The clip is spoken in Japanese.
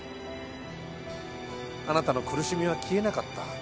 あなたの苦しみは消えなかった。